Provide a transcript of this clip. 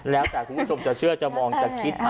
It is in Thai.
แล้วแต่คุณผู้ชมจะเชื่อจะมองจะคิด